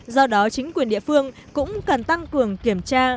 do đó chính quyền địa phương cũng cần tăng cường kiểm tra